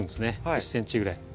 １ｃｍぐらい。